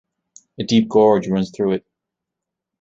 A deep gorge runs through it.